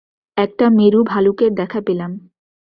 একটা মেরু ভালুকের দেখা পেলাম।